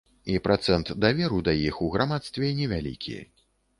І працэнт даверу да іх у грамадстве невялікі.